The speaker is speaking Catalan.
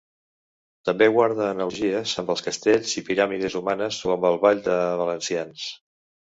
També guarda analogies amb els castells i piràmides humanes o amb el Ball de Valencians.